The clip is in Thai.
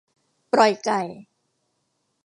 ปล่อยไก่